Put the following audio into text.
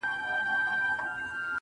o د چا خبرو ته به غوږ نه نيسو.